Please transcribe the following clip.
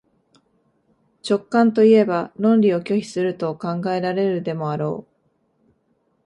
直観といえば論理を拒否すると考えられるでもあろう。